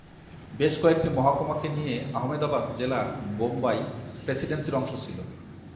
বেশ কয়েকটি মহকুমাকে নিয়ে আহমেদাবাদ জেলা বোম্বাই প্রেসিডেন্সির অংশ ছিল।